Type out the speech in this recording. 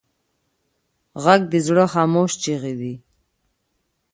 غږ د زړه خاموش چیغې دي